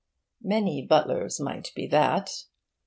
Many butlers might be that.